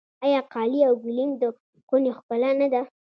آیا قالي او ګلیم د خونې ښکلا نه ده؟